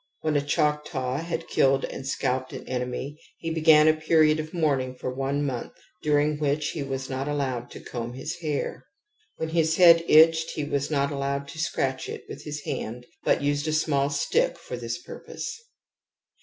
When a Choctaw had killed and scalped an enemy he began a period of mourning for one month, during which he was not allowed to comb his hair. When his head itched he was not allowed to scratch it with his hand but used a small stick for this purpose.